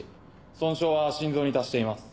損傷は心臓に達しています。